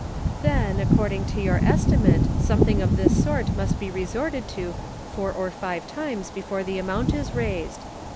"Then, according to your estimate, some thing of this sort must be resorted to four or five times before the amount is raised.